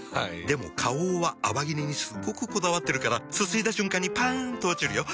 でも花王は泡切れにすっごくこだわってるからすすいだ瞬間にパン！と落ちるよ。